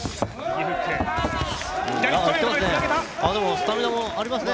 スタミナもありますね。